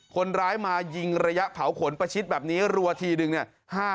คนร้ายมายิงระยะเผาขนประชิดแบบนี้รัวทีนึงเนี่ย